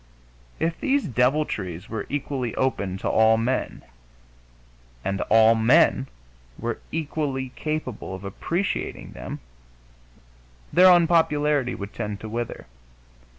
If these deviltries were equally open to all men, and all men were equally capable of appreciating them, their unpopularity would tend to wither.